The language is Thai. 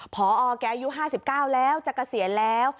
พอแกอายุ๕๙แล้วจะเกษียณแล้ว